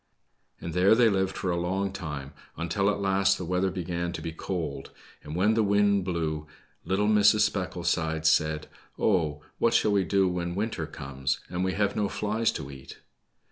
And there they lived for a long time, until at last the weather began to be cold, and when the wind blew, little Mrs. Specklesides said, 0, what shall we do when winter comes, and we have no flies to eat